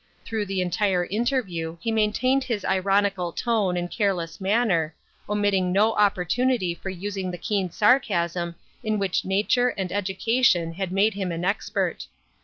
Through the entire interview he maintained his ironical tone and careless manner, omitting no opportunity for using the keen sarcasm in which nature and education had made him an. expert.